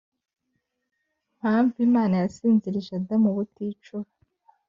mpamvu imana yasinzirije adamu ubuticura,